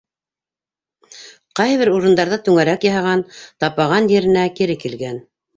Ҡайһы бер урындарҙа түңәрәк яһаған, тапаған еренә кире килгән.